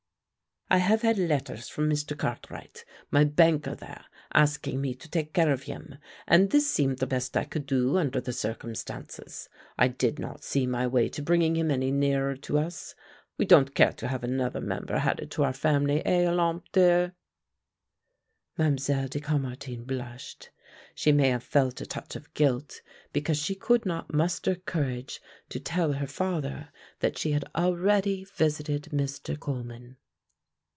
"I have had letters from Mr. Cartwright, my banker there, asking me to take care of him, and this seemed the best I could do under the circumstances. I did not see my way to bringing him any nearer to us. We don't care to have another member added to our family, eh, Olympe, dear?" Mlle. de Caumartin blushed. She may have felt a touch of guilt because she could not muster courage to tell her father that she had already visited Mr. Coleman.